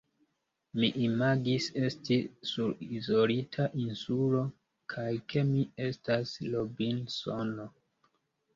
Mi imagis esti sur izolita insulo, kaj ke mi estas Robinsono.